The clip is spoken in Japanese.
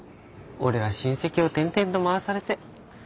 俺は親戚を転々と回されて。